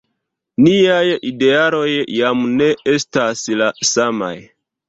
Niaj idealoj jam ne estas la samaj.